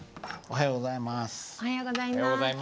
おはようございます。